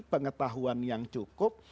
pengetahuan yang cukup